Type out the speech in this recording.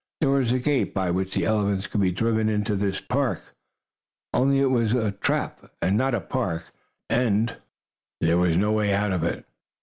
There was a gate by which the elephants could be driven into this park, only it was a trap, and not a park. And there was no way out of it.